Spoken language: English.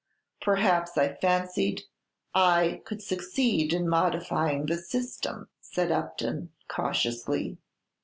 Perhaps I fancied I could succeed in modifying the system," said Upton, cautiously.